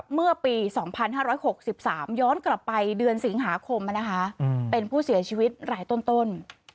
เมื่อปี๒๕๖๓ย้อนกลับไปเดือนสิงหาคมเป็นผู้เสียชีวิตรายต้น